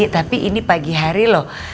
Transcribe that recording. tapi ini pagi hari loh